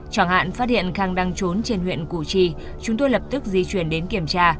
chẳng hạn phát hiện khang đang trốn trên huyện củ chi chúng tôi lập tức di chuyển đến kiểm tra